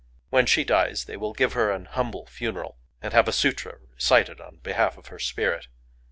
When she dies they will give her an humble funeral, and have a sutra recited on behalf of her spirit.